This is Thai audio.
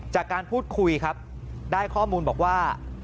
จากการพูดคุยครับได้ข้อมูลบอกว่า